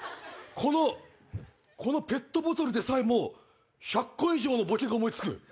このこのペットボトルでさえも１００個以上のボケが思い付く。